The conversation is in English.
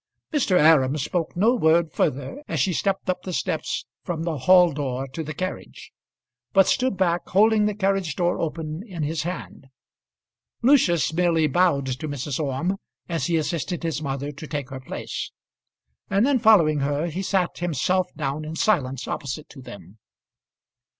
Mr. Aram spoke no word further as she stepped up the steps from the hall door to the carriage, but stood back, holding the carriage door open in his hand. Lucius merely bowed to Mrs. Orme as he assisted his mother to take her place; and then following her, he sat himself down in silence opposite to them.